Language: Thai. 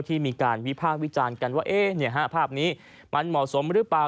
ที่มีการวิพากษ์วิจารณ์กันว่าภาพนี้มันเหมาะสมหรือเปล่า